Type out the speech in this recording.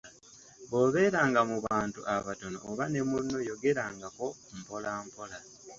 Bw’obeera nga mu bantu abatono oba ne munno yogereranga mpolampola.